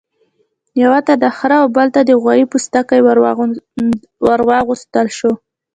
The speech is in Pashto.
یوه ته د خرۀ او بل ته د غوايي پوستکی ورواغوستل شو.